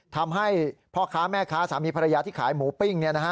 ทำให้พ่อค้าแม่ค้าสามีภรรยาที่ขายหมูปิ้ง